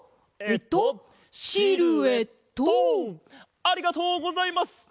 ありがとうございます！